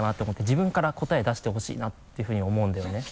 自分から答え出してほしいなっていうふうに思うんだよね。